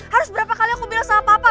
harus berapa kali aku bilang sama papa